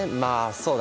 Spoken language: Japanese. そうだね